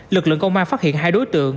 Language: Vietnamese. lực lượng công an phát hiện hai đối tượng